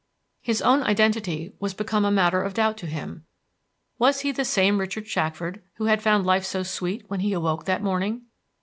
His own identity was become a matter of doubt to him. Was he the same Richard Shackford who had found life so sweet when he awoke that morning?